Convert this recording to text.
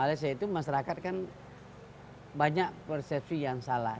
oleh sebab itu masyarakat kan banyak persepsi yang salah